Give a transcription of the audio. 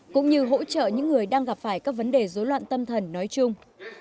cũng như hỗ trợ những người đang gặp phải các vấn đề dối loạn tâm thần nói chung